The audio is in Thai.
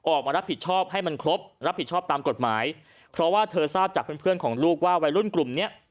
ออกมารับผิดชอบให้มันครบรับผิดชอบตามกฎหมายเพราะว่าเธอทราบจากเพื่อนเพื่อนของลูกว่าวัยรุ่นกลุ่มเนี้ย